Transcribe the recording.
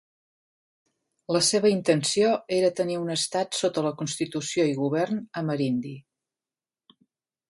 La seva intenció era tenir un estat sota la constitució i govern amerindi.